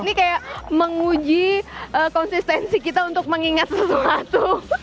ini kayak menguji konsistensi kita untuk mengingat sesuatu